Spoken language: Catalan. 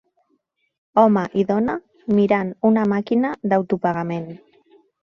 Home i dona mirant una màquina d'autopagament.